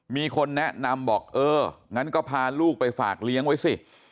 มีคนแนะนำบอกเอองั้นก็พาลูกไปฝากเลี้ยงไว้สิ